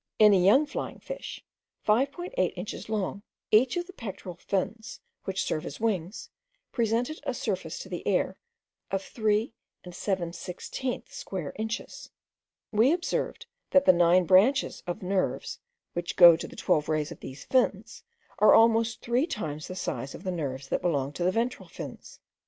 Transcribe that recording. In a young flying fish, 5.8 inches long, each of the pectoral fins, which serve as wings, presented a surface to the air of 3 7/16 square inches. We observed, that the nine branches of nerves, which go to the twelve rays of these fins, are almost three times the size of the nerves that belong to the ventral fins.